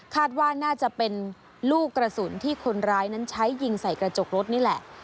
ว่าน่าจะเป็นลูกกระสุนที่คนร้ายนั้นใช้ยิงใส่กระจกรถนี่แหละ